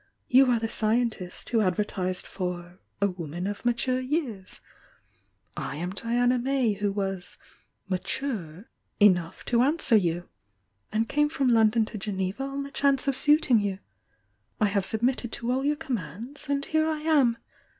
You are the scien tist who advertised for 'a woman of mature years,' — I am Diana May who was 'mature' enough to answer you, and came from London to Geneva on the chance of suiting you, — I have submitted to all yo"r commands, and here I am!